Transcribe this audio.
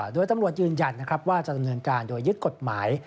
โดยตำรวจยืนยันว่าจะดำเนินการโดยยึดกฎหมาย